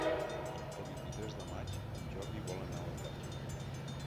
El vint-i-tres de maig en Jordi vol anar a la platja.